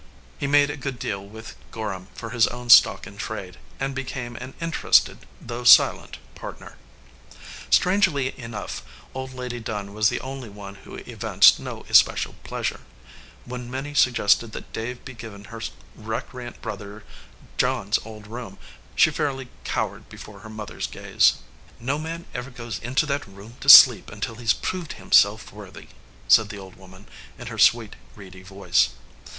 He made a good deal with Gorham for his own stock in trade, and became an interested, though silent, partner. Strangely enough, Old Lady Dunn was the only one who evinced no especial pleasure. When Min 308 "A RETREAT TO THE GOAL" nie suggested that Dave be given her recreant brother John s old room, she fairly cowered before her mother s gaze. "No man ever goes into that room to sleep until he s proved himself worthy," said the old woman, in her sweet, reedy voice.